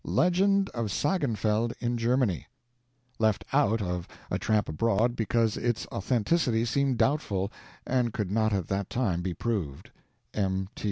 LEGEND OF SAGENFELD, IN GERMANY [Left out of "A Tramp Abroad" because its authenticity seemed doubtful, and could not at that time be proved. M.